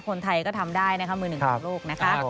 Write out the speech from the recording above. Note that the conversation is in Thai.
คนไทยก็ทำได้นะครับมือหนึ่งทั้งโลกนะครับ